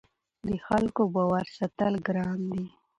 د خلکو باور ساتل ګران دي